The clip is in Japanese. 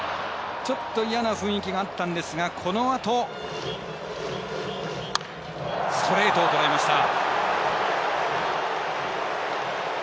嫌な雰囲気があったんですがこのあとストレートをとらえました。